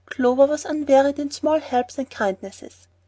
Clover was unwearied in small helps and kindnesses.